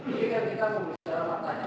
ini kan kita semua makanya